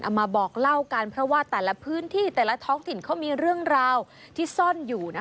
มาบอกเล่ากันเพราะว่าแต่ละพื้นที่แต่ละท้องถิ่นเขามีเรื่องราวที่ซ่อนอยู่นะคะ